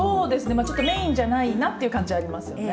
まあちょっとメインじゃないなっていう感じはありますよね。